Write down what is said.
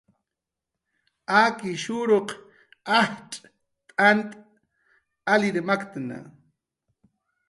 Akishuruq ajtz' t'ant alir maktna